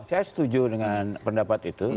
saya setuju dengan pendapat itu